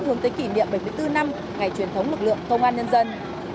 hướng tới kỷ niệm bảy mươi bốn năm ngày truyền thống lực lượng công an nhân dân